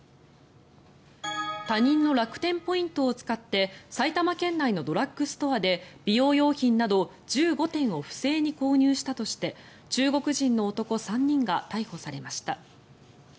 他人の楽天ポイントを使って埼玉県内のドラッグストアで美容用品など１５点を不正に購入したとして中国人の男３人が逮捕されました。